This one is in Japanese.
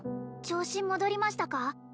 調子戻りましたか？